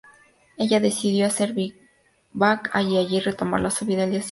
Ella decidió hacer vivac allí y retomar la subida al día siguiente.